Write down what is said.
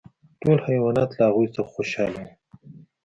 ټول حیوانات له هغوی څخه خوشحاله وو.